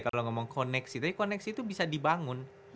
kalau ngomong koneksi tapi koneksi itu bisa dibangun